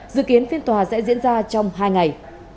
dự kiến phiên tòa sẽ diễn ra trong hai ngày